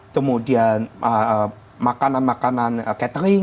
kemudian makanan makanan catering